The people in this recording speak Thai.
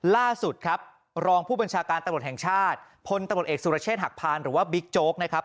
ล่าสุดครับรองผู้บัญชาการตำรวจแห่งชาติพลตำรวจเอกสุรเชษฐหักพานหรือว่าบิ๊กโจ๊กนะครับ